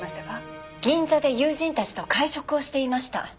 銀座で友人たちと会食をしていました。